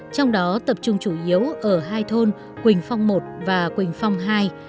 trong đó tập trung chủ yếu ở hai thôn quỳnh phong i và quỳnh phong ii